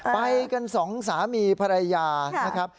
ไปกันสองสามีภรรยานะครับ